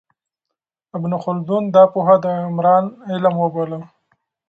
ابن خلدون دا پوهه د عمران علم وباله.